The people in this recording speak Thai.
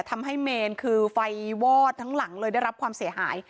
ทำให้เมนคือไฟวอดทั้งหลังเลยได้รับความเสียหาย